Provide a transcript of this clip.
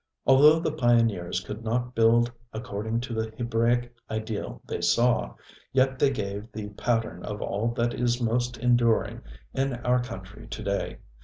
Although the pioneers could not build according to the Hebraic ideal they saw, yet they gave the pattern of all that is most enduring in our country to day.